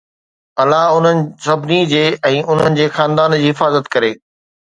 الله انهن سڀني جي ۽ انهن جي خاندان جي حفاظت ڪري